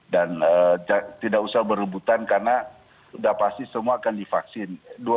dan tidak usah berebutan karena sudah pasti semua akan divaksin